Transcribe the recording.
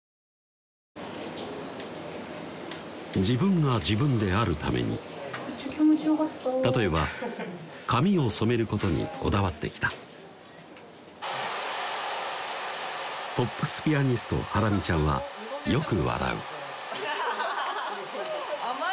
自分が自分であるために例えば髪を染めることにこだわってきたポップスピアニストハラミちゃんはよく笑うハハハハハハ！